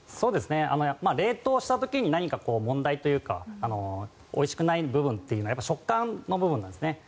冷凍した時に何か問題というかおいしくない部分というのは食感の部分なんですね。